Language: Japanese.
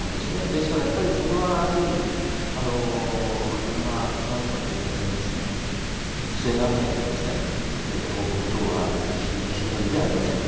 ですからやっぱりそこはいろんな今までの経験上不正があったという報告等は私の知る限りではありませんので。